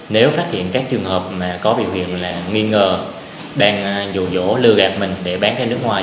nếu phát hiện các trường hợp có biểu hiện là nghi ngờ đang dù dỗ lừa gạp mình để bán ra nước ngoài